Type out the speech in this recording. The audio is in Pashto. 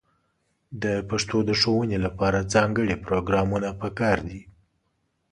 د پښتو د ښوونې لپاره ځانګړې پروګرامونه په کار دي.